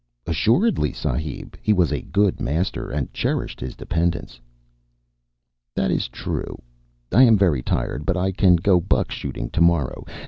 "Assuredly, sahib. He was a good master and cherished his dependents." "That is true. I am very tired, but I can go buck shooting tomorrow.